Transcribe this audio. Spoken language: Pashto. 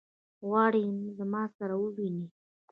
غواړي زما سره وویني.